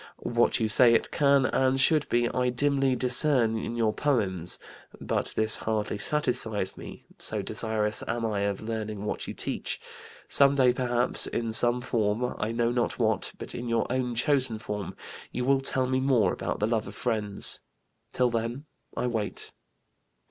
What you say it can and should be I dimly discern in your Poems. But this hardly satisfies me so desirous am I of learning what you teach. Some day, perhaps, in some form, I know not what, but in your own chosen form, you will tell me more about the Love of Friends. Till then I wait."